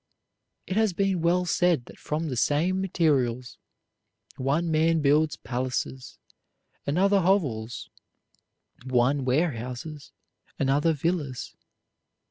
It has been well said that from the same materials one man builds palaces, another hovels; one warehouses, another villas.